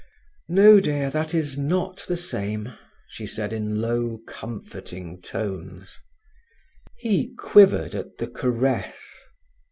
"No, dear, that is not the same," she said in low, comforting tones. He quivered at the caress.